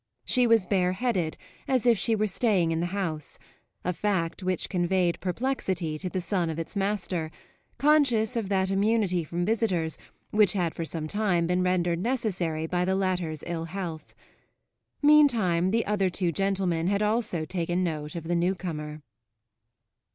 She was bareheaded, as if she were staying in the house a fact which conveyed perplexity to the son of its master, conscious of that immunity from visitors which had for some time been rendered necessary by the latter's ill health. Meantime the two other gentlemen had also taken note of the new comer.